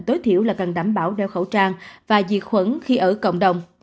tối thiểu là cần đảm bảo đeo khẩu trang và diệt khuẩn khi ở cộng đồng